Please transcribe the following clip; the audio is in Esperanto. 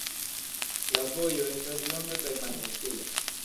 La vojo estas longa kaj malfacila.